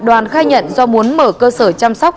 đoàn khai nhận do muốn mở cơ sở chăm sóc